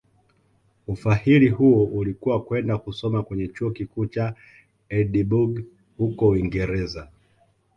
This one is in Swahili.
Ufahili huo ulikuwa kwenda kusoma kwenye Chuo Kikuu cha Edinburgh huko Uingereza